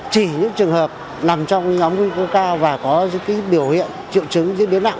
chỉ những trường hợp nằm trong nhóm nguy cơ cao và có những biểu hiện triệu chứng diễn biến nặng